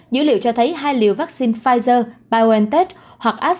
dữ liệu cho thấy hai liệu vaccine pfizer biontech hoặc astrazeneca